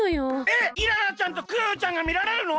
えっイララちゃんとクヨヨちゃんがみられるの？